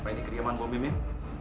apa ini keriaman bu mimin